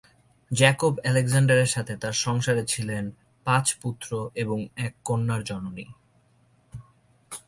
Jacob আলেকজান্ডারের সাথে তার সংসারে তিনি ছিলেন পাঁচ পুত্র এবং এক কন্যার জননী।